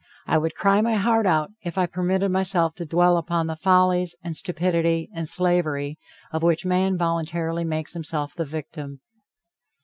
I would cry my heart out if I permitted myself to dwell upon the folly and stupidity and slavery of which man voluntarily makes himself the victim.